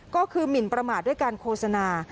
ก็คือหมินประมาทด้วยการโฆษณา